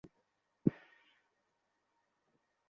এই বয়সে তুমি এই ক্যান্ডিগুলো পছন্দ করতে।